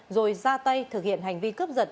rồi ra tay thực hiện hành vi cướp giật